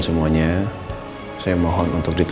sebenarnya aku rata rata